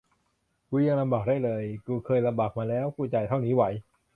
กูยังลำบากได้เลย กูเคยลำบากมาแล้ว กูจ่ายเท่านี้ไหว